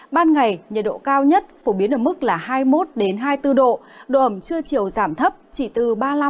ban ngày nhiệt độ cao nhất phổ biến ở mức hai mươi một hai mươi bốn độ độ ẩm chưa chiều giảm thấp chỉ từ ba mươi năm bốn mươi năm